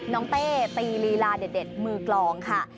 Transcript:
เต้ตีลีลาเด็ดมือกลองค่ะ